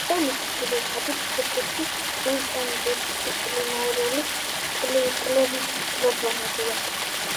პენის ძირითადი ფოკუსი ინტერდისციპლინარული კვლევითი პროგრამებია.